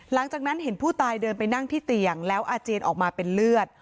หลังจากนั้นเห็นผู้ตายเดินไปนั่งที่เตียงแล้วอาเจียนออกมาเป็นเลือด